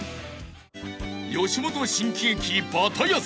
［吉本新喜劇バタヤス鬼